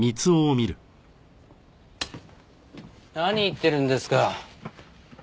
何言ってるんですか。